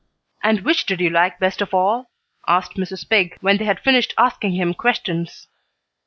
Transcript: "And which did you like best of all?" asked Mrs. Pig, when they had finished asking him questions.